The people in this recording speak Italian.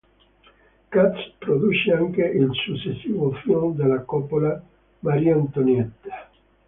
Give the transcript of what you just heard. Katz produce anche il successivo film della Coppola "Marie Antoinette".